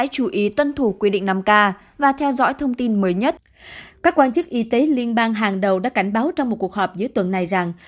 các quan chức y tế liên bang hàng đầu đã cảnh báo trong một cuộc họp giữa tuần này rằng